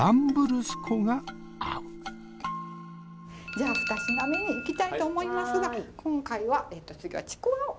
じゃあ二品目にいきたいと思いますが今回は竹輪を。